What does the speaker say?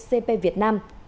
cp việt nam